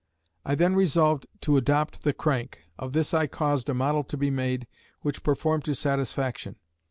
I then resolved to adopt the crank ... Of this I caused a model to be made, which performed to satisfaction.